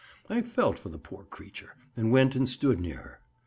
I felt for the poor creature, and went and stood near her.